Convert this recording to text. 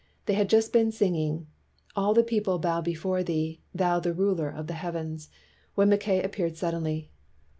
They had just been singing, "All the people bow before Thee, Thou the Ruler of the heavens," when Mackay appeared suddenly.